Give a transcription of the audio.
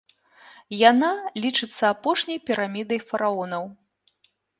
Яна лічыцца апошняй пірамідай фараонаў.